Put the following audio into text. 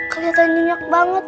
keliatan minyak banget